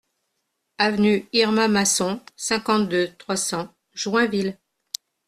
Avenue Irma Masson, cinquante-deux, trois cents Joinville